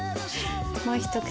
もう一口。